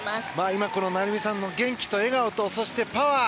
今、成美さんの元気と笑顔とパワー。